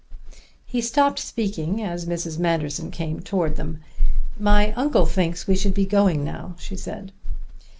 He stopped speaking as Mrs. Manderson came towards them. "My uncle thinks we should be going now," she said.